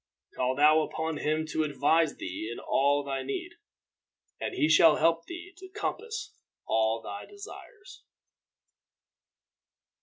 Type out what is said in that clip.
Call thou upon him to advise thee in all thy need, and he shall help thee to compass all thy desires."